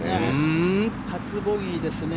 初ボギーですね。